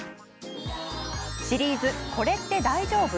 シリーズ「これって大丈夫？」。